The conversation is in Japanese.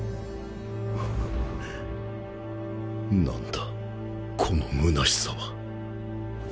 何だこのむなしさは